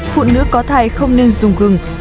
phụ nữ có thai không nên dùng gừng